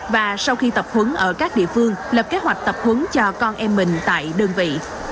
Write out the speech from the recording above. và sau khi tập huấn ở các địa phương lập kế hoạch tập huấn cho con em mình tại đơn vị